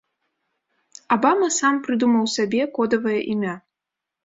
Абама сам прыдумаў сабе кодавае імя.